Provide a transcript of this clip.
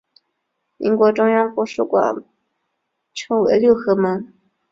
民国中央国术馆称为六合门。